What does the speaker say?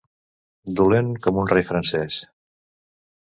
Dolent com un rei francès.